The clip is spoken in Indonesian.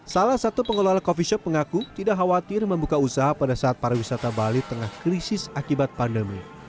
salah satu pengelola coffee shop mengaku tidak khawatir membuka usaha pada saat para wisata bali tengah krisis akibat pandemi